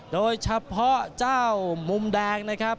โดยเฉพาะเจ้ามุมแดงนะครับ